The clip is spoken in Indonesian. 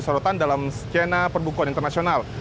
menjadi sorotan dalam scena perbukuan internasional